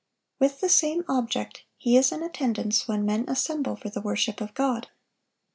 With the same object he is in attendance when men assemble for the worship of God.